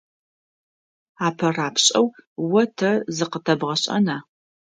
АпэрапшӀэу о тэ зыкъытэбгъэшӀэна ?